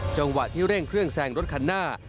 จังหวะที่เร่งเครื่องแซงรถคันหน้า